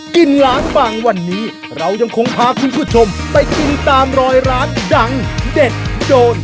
กินล้างบางวันนี้เรายังคงพาคุณผู้ชมไปกินตามรอยร้านดังเด็ดโดน